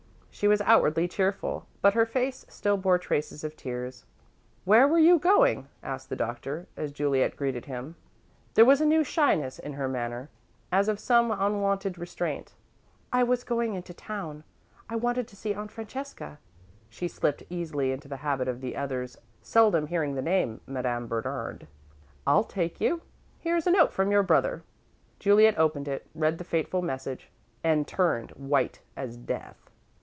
She was outwardly cheerful, but her face still bore traces of tears. "Where were you going?" asked the Doctor, as Juliet greeted him. There was a new shyness in her manner, as of some unwonted restraint. "I was going into town. I wanted to see Aunt Francesca." She slipped easily into the habit of the others, seldom hearing the name "Madame Bernard." "I'll take you. Here's a note from your brother." Juliet opened it, read the fateful message, and turned white as death.